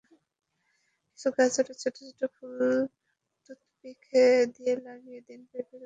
কিছু গাজরের ছোট ছোট ফুল টুথপিক দিয়ে লাগিয়ে দিন পেঁপের গায়ে।